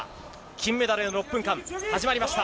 金メダルへ６分間始まりました。